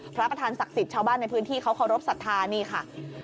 พระประธานศักดิ์สิทธิ์ชาวบ้านในพื้นที่เขาเคารพสัทธานี่ค่ะ